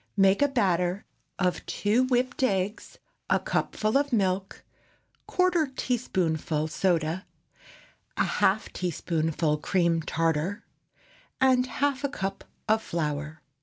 Make a batter of two whipped eggs, a cupful of milk, quarter teaspoonful soda, a half teaspoonful cream tartar, and half a cup of flour.